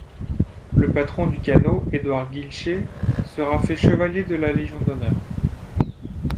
Le patron du canot, Édouard Guilcher, sera fait Chevalier de la Légion d'Honneur.